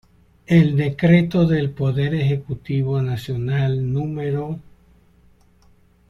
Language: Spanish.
El Decreto del Poder Ejecutivo Nacional Nro.